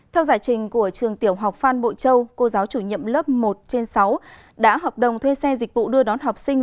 theo giải trình của trường tiểu học phan bộ châu cô giáo chủ nhiệm lớp một trên sáu đã học đồng thuê xe dịch vụ đưa đón học sinh